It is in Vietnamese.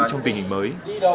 trong tình hình mới